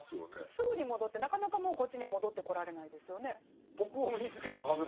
すぐに戻ってなかなかもうこっちには戻ってこられないですよね。